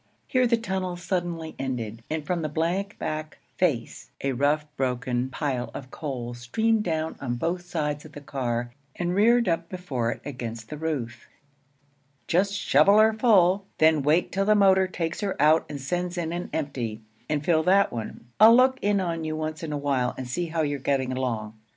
Here the tunnel suddenly ended, and from the blank back 'face' a rough, broken pile of coal streamed down on both sides of the car and reared up before it against the roof. 'Just shovel 'er full, then wait till the motor takes her out and sends in an empty, and fill that one. I'll look in on you once in a while and see how you're getting along.'